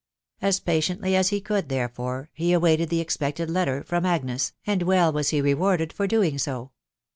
As patiently as he could, therefore, he awaited the expected letter rrom Agnes, and well was he rewarded for doing so.